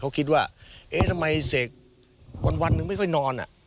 เขาคิดว่าเอ๊ะทำไมเสกวันหนึ่งไม่ค่อยนอน